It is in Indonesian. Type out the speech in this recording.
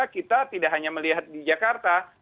kita tidak hanya melihat di jakarta